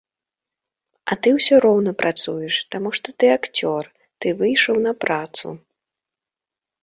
А ты ўсё роўна працуеш, таму што ты акцёр, ты выйшаў на працу.